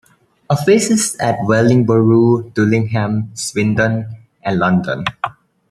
Offices at Wellingborough, Dullingham, Swindon and London.